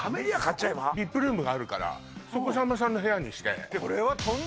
ＶＩＰルームがあるからそこさんまさんの部屋にして